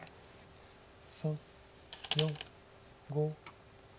３４５。